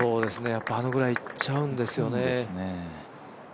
あのぐらい行っちゃうんですよね。